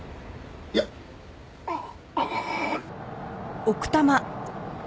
いやああ。